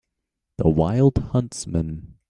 The wild huntsman.